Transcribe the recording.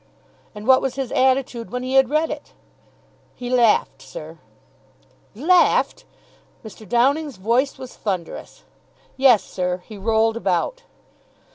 "And what was his attitude when he had read it?" "He laughed, sir." "Laughed!" Mr. Downing's voice was thunderous. "Yes, sir. He rolled about."